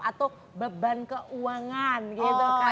atau beban keuangan gitu kan